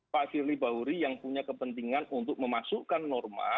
pak firly bahuri yang punya kepentingan untuk memasukkan norma